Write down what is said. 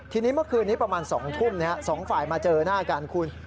ทีนี้เมื่อคืนนี้ประมาณ๒ทุ่ม๒ฝ่ายมาเจอหน้ากันคุณ